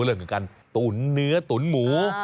เรื่องของการตุ๋นเนื้อตุ๋นหมู